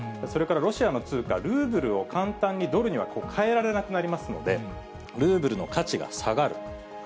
それからロシアの通貨、ルーブルを簡単にドルには替えられなくなりますので、ルーブルの価値が下がる。